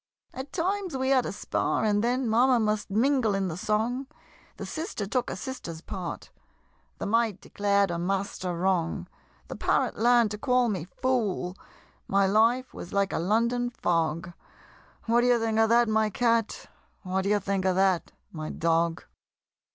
At times we had a spar, and then Mamma must mingle in the song The sister took a sisters part The Maid declared her Master wrong The Parrot learn'd to call me "Fool!" My life was like a London fog What d'ye think of that, my Cat? What d'ye think of that, my Dog?